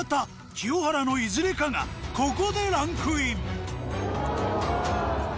清原のいずれかがここでランクイン。